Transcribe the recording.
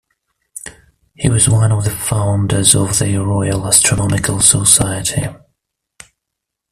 He was one of the founders of the Royal Astronomical Society.